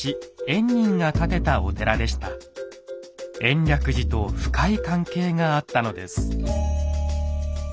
延暦寺と深い関係があったのです。